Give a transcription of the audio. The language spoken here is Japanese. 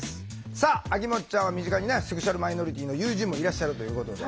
さああきもっちゃんは身近にねセクシュアルマイノリティーの友人もいらっしゃるということで。